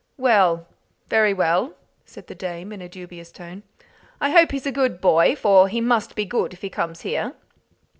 "Well. Very well," said the dame, in a dubious tone. "I hope he's a good boy, for he must be good if he comes here."